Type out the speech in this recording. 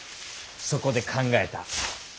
そこで考えた。